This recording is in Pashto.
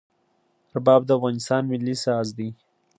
رباب د افغانستان ملي ساز دی.